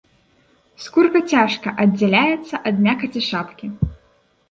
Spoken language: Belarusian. Скурка цяжка аддзяляецца ад мякаці шапкі.